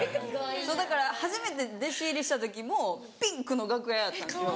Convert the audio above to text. だから初めて弟子入りした時もピンクの楽屋やったんですよ。